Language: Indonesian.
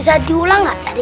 bisa diulang gak tadi